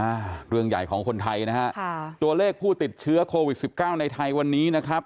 นะครับเรื่องใหญ่ของคนไทยนะคะตัวเลขผู้ติดเชื้อโควิด๑๙ในไทยนะครับ